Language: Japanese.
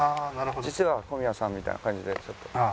「実は小宮さん」みたいな感じでちょっと。